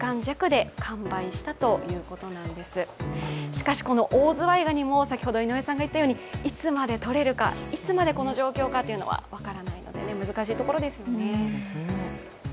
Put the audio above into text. しかし、このオオズワイガニも、いつまでとれるか、いつまでこの状況かというのは分からないので難しいところですよね。